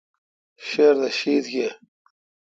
شردہ شیتھ یے۔